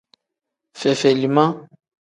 Fefelima.